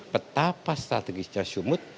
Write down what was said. betapa strategisnya sumut